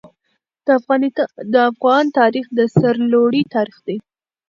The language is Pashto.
د افغان تاریخ د سرلوړۍ تاریخ دی.